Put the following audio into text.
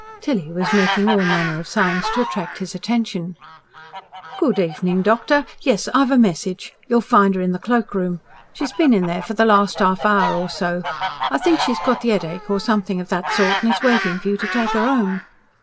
Tilly was making all manner of signs to attract his attention. "Good evening, doctor. Yes, I've a message. You'll find 'er in the cloakroom. She's been in there for the last half 'our or so. I think she's got the headache or something of that sort, and is waiting for you to take 'er home."